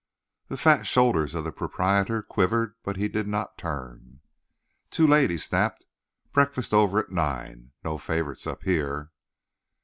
The fat shoulders of the proprietor quivered, but he did not turn. "Too late," he snapped. "Breakfast over at nine. No favorites up here."